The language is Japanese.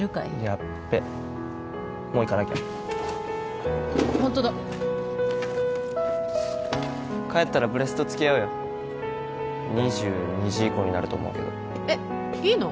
やっべもう行かなきゃホントだ帰ったらブレストつきあうよ２２時以降になると思うけどえっいいの？